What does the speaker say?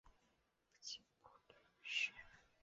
父亲浦璇。